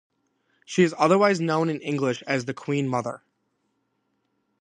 She is otherwise known in English as the Queen Mother.